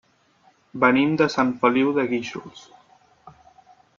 Venim de Sant Feliu de Guíxols.